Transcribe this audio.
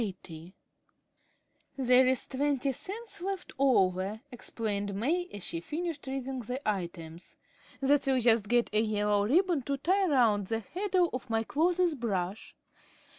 80 "There's twenty cents left over," explained May, as she finished reading the items. "That will just get a yellow ribbon to tie round the handle of my clothes brush.